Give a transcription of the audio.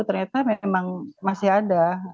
ternyata memang masih ada